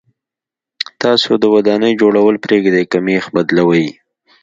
تاسو د ودانۍ جوړول پرېږدئ که مېخ بدلوئ.